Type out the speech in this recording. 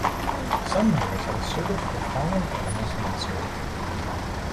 Some writers have asserted that the following animals menstruate.